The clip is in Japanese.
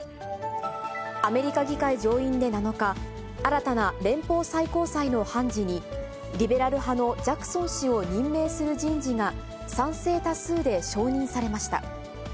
アメリカ議会上院で７日、新たな連邦最高裁の判事に、リベラル派のジャクソン氏を任命する人事が、賛成多数で承認されました。